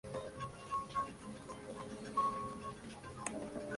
La Marina Baja es una comarca costera, pero a la vez muy montañosa.